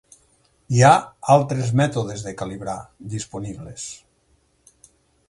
Hi ha altres mètodes de calibrar disponibles.